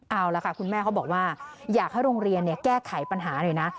เอาละค่ะคุณแม่เขาบอกว่าอยากให้โรงเรียนแก้ไขปัญหาหน่อยนะ